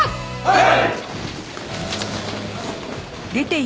はい！